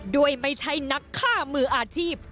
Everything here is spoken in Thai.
ด้วยไม่ใช่นักฆ่ามืออาชีพ